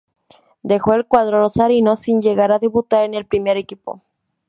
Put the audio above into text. Dejó el cuadro rosarino sin llegar a debutar en el primer equipo.